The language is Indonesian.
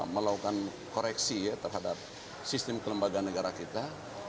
melakukan koreksi ya terhadap sistem kelembagaan negara kita